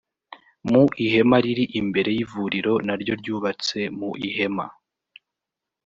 Mu ihema riri imbere y’ivuriro naryo ryubatse mu ihema